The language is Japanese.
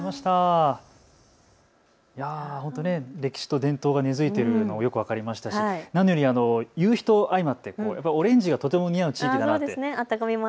歴史と伝統が根づいているのがよく分かりましたし何より夕日と相まってオレンジがとても似合う地域だなと。